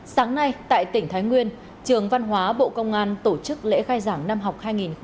sáng nay tại tỉnh thái nguyên trường văn hóa bộ công an tổ chức lễ khai giảng năm học hai nghìn hai mươi hai nghìn hai mươi